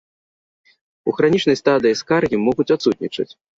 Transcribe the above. У хранічнай стадыі скаргі могуць адсутнічаць.